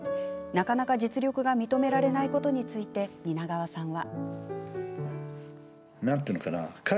なかなか実力が認められないことについて蜷川さんは。